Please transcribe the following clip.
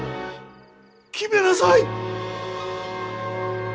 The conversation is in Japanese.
決めなさい。